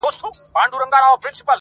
خو د کلي اصلي درد څوک نه سي ليدلای-